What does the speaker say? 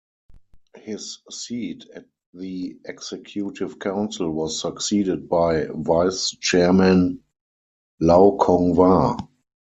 His seat at the Executive Council was succeeded by vice-chairman Lau Kong-wah.